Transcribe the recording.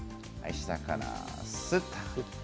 下からすっと。